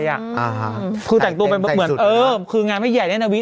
คือแต่งตัวเป็นเหมือนเออคืองานไม่ใหญ่แน่นะวิ